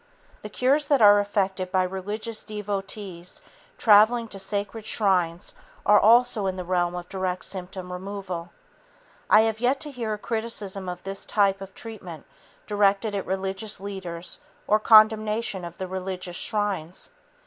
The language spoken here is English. The cures that are effected by religious devotees traveling to sacred shrines are also in the realm of direct symptom removal. I have yet to hear a criticism of this type of treatment directed at religious leaders or condemnation of the religious shrines.